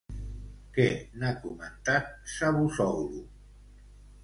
Què n'ha comentat Çavusoglu?